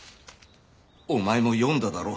お前も読んだだろ。